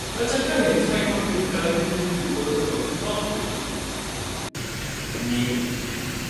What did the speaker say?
แล้วฉันก็เห็นชายคนหนึ่งกำลังยืนอยู่บนถนนนอกตึกนี้